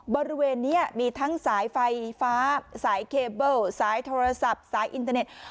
บริเวณนี้มีทั้งสายไฟฟ้าสายเคเบิ้ลสายโทรศัพท์สายอินเทอร์เน็ต